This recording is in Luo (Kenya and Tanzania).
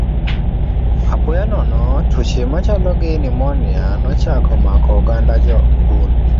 Apoya nono, tuoche machalo gi pneumonia nochako mako oganda Jo-Hun.